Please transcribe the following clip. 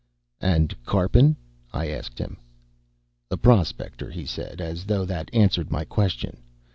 "And Karpin?" I asked him. "A prospector," he said, as though that answered my question.